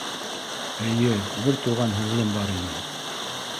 — Эйе, бер туған һеңлем бар ине.